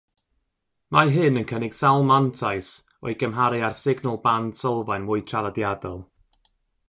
Mae hyn yn cynnig sawl mantais o'i gymharu â'r signal band sylfaen mwy traddodiadol.